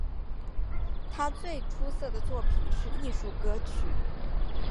他最出色的作品是艺术歌曲。